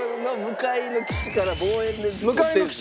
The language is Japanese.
向かいの岸から望遠で。